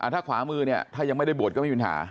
ถ้าขวามือเนี่ยถ้ายังไม่ได้บวชก็ไม่มีปัญหา